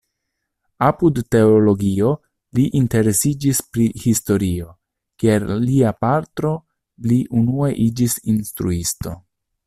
Apud teologio li interesiĝis pri historio; kiel lia patro li unue iĝis instruisto.